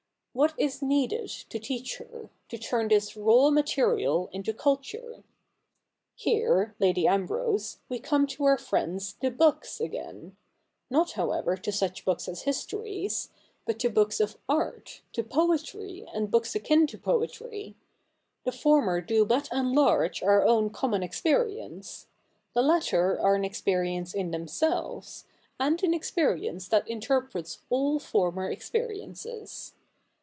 What is needed to teach her — to turn this raw material into culture ? Here, Lady Ambrose, we come to our friends the books again — not, however, to such books as histories, but to books of art, to poetry, and books akin to poetry. The former do but enlarge our own common experience. The latter are an experience in themselves, and an experience that interprets all former experiences.